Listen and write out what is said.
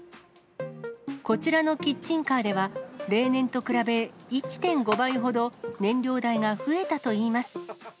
こちらのキッチンカーでは、例年と比べ１．５倍ほど燃料代が増えたといいます。